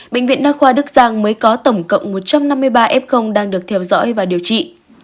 bệnh viện đa khoa đức giang mới có tổng cộng một trăm năm mươi ba f đang được theo dõi và điều trị